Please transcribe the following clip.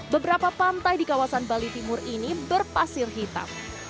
beberapa pantai di kawasan bali timur ini berpasir hitam